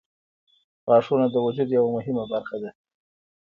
• غاښونه د وجود یوه مهمه برخه ده.